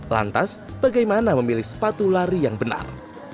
lantas bagaimana memilih sepatu lari yang benar